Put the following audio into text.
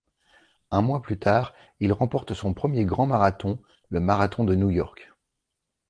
Un mois plus tard, il remporte son premier grand marathon, le Marathon de New-York.